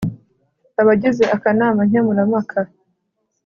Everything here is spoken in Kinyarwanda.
Abagize akanama nkemura mpaka